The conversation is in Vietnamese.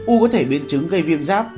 u có thể biến chứng gây viêm giáp